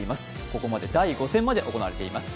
ここまで第５戦まで行われています